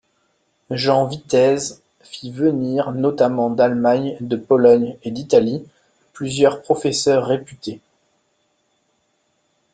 Jean Vitéz fit venir, notamment d'Allemagne, de Pologne et d'Italie, plusieurs professeurs réputés.